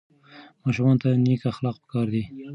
ماشومانو ته نیک اخلاق په کار دي.